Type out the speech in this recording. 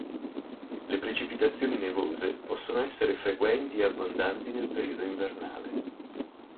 Le precipitazioni nevose possono essere frequenti e abbondanti nel periodo invernale.